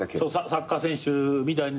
サッカー選手みたいなプロで。